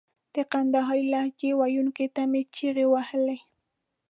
د کندهارۍ لهجې ویونکو ته مې چیغې وهلې.